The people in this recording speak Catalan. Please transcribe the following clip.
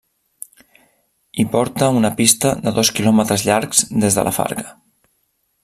Hi porta una pista de dos quilòmetres llargs des de la Farga.